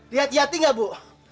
lihat yati gak bu